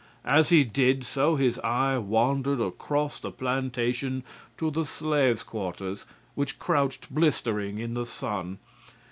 As he did so his eye wandered across the plantation to the slaves' quarters which crouched blistering in the sun.